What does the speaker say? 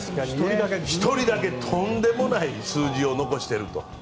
１人だけとんでもない数字を残してると。